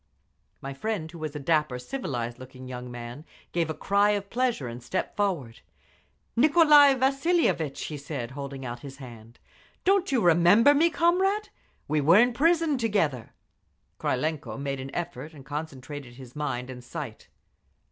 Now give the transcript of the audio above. My friend, who was a dapper, civilized looking young man, gave a cry of pleasure and stepped forward. "Nicolai Vasilievitch!" he said, holding out his hand. "Don't you remember me, comrade? We were in prison together." Krylenko made an effort and concentrated his mind and sight.